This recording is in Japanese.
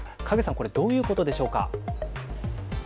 これ、どういうことでしょうか。